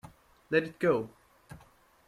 Let it go.